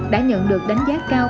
đã nhận được đánh giá cao